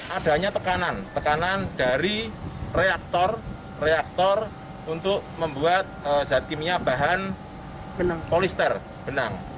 adanya tekanan tekanan dari reaktor reaktor untuk membuat zat kimia bahan polister benang